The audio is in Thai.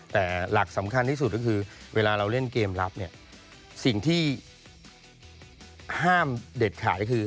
แต่หลักสำคัญที่สุดคือเวลาเริ่นเกมรับสิ่งที่ห้ามเด็ดขาดคือ